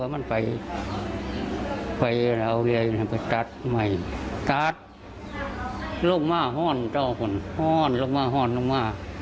มันไปจัดใหม่จัดลงมาห้อนเจ้าคนห้อนลงมาห้อนลงมา